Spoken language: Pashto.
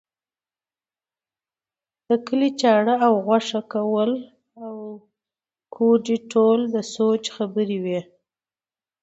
د کلي چاړه او غوښه کول او کوډې ټول د سوچ خبرې وې.